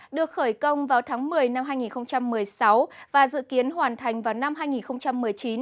được khởi công vào tháng một mươi năm hai nghìn một mươi sáu và dự kiến hoàn thành vào năm hai nghìn một mươi chín